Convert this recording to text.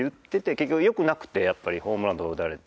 結局よくなくてやっぱりホームランとか打たれて。